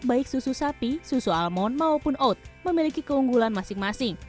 baik susu sapi susu almond maupun oat memiliki keunggulan masing masing